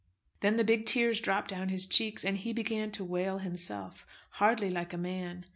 Then the big tears dropped down his cheeks, and he began to wail himself, hardly like a man.